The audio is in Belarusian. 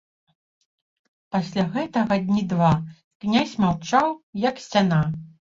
Пасля гэтага дні два князь маўчаў, як сцяна.